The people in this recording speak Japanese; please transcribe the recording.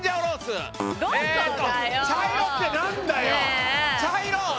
茶色って何だよ！？